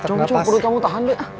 perut kamu tahan doi